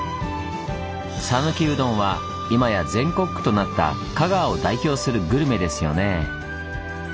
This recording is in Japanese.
さぬきうどんは今や全国区となった香川を代表するグルメですよねぇ。